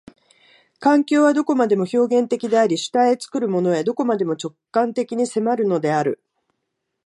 環境はどこまでも表現的であり、主体へ、作るものへ、どこまでも直観的に迫るのである。